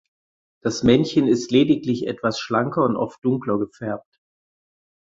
Das Männchen ist lediglich etwas schlanker und oft dunkler gefärbt.